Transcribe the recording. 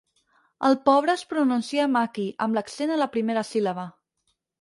El pobre es pronuncia "Mackie" amb l'accent a la primera síl·laba.